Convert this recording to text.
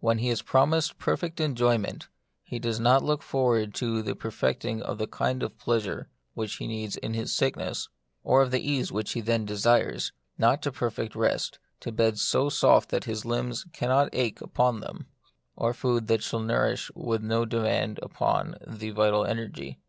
When he is pro mised perfect enjoyment, he does not look forward to the perfecting of the kind of plea sure which he needs in his sickness, or of the ease which he then desires ; not to perfect rest, to beds so soft that his limbs cannot ache The Mystery of Pain. 51 upon them, or food that shall nourish with no demand upon the vital. energy.